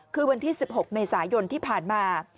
คือวันที่๑๖เมษายนที่ผ่านมา